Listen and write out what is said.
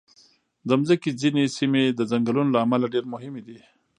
د مځکې ځینې سیمې د ځنګلونو له امله ډېر مهم دي.